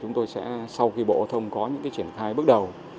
chúng tôi sẽ sau khi bộ âu thông có những triển khai bước đầu